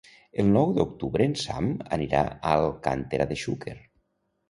El nou d'octubre en Sam anirà a Alcàntera de Xúquer.